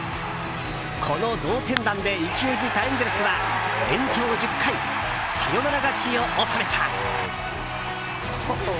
この同点弾で勢いづいたエンゼルスは延長１０回サヨナラ勝ちを収めた。